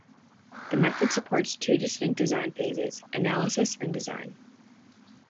The method supports two distinct design phases: analysis and design.